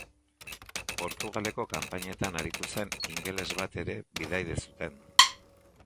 Portugaleko kanpainetan aritu zen ingeles bat ere bidaide zuten.